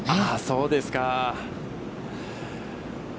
そうですか。